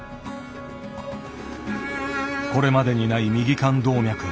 これまでにない右肝動脈。